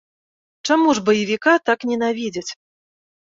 Чаму ж баевіка так ненавідзяць?